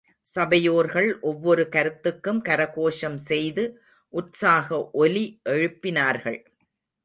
சபையோர்கள் ஒவ்வொரு கருத்துக்கும் கரகோஷம் செய்து உற்சாக ஒலி எழுப்பினார்கள்.